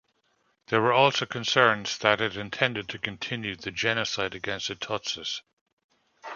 There were also concerns that it intended to continue the genocide against the Tutsis.